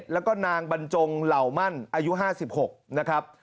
แล้วก็นางบรรจงเหล่ามั่นอายุ๕๖นะครับ